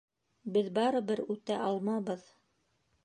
Беҙ барыбер үтә алмабыҙ.